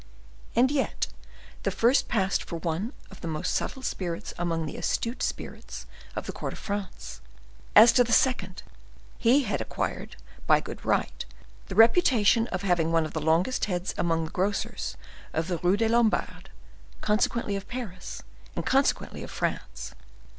And yet the first passed for one of the most subtle spirits among the astute spirits of the court of France. As to the second, he had acquired by good right the reputation of having one of the longest heads among the grocers of the Rue des Lombards; consequently of Paris, and consequently of France.